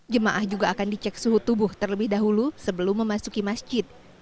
jemaah juga akan dicek suhu tubuh terlebih dahulu sebelum memasuki masjid